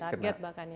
target bahkan ya